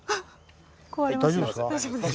大丈夫ですか？